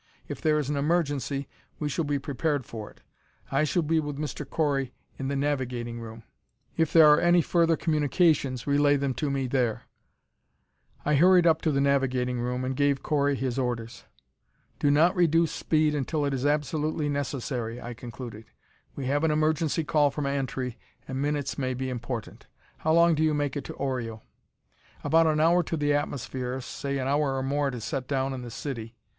If there is an emergency, we shall be prepared for it. I shall be with Mr. Correy in the navigating room; if there are any further communications, relay them to me there." I hurried up to the navigating room, and gave Correy his orders. "Do not reduce speed until it is absolutely necessary," I concluded. "We have an emergency call from Antri, and minutes may be important. How long do you make it to Oreo?" "About an hour to the atmosphere; say an hour more to set down in the city.